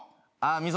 ああ。